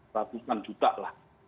ratusan juta lah